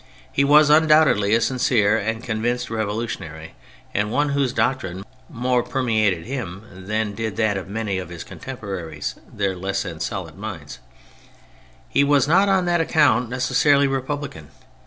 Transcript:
He was undoubtedly a sincere and a convinced revolutionary, and one whose doctrine more permeated him than did that of many of his contemporaries their less solid minds. He was not on that account necessarily republican.